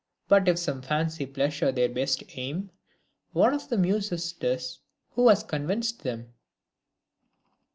But if some fancy pleasure their best aim, One of the Muses 'tis who has convinc'd them.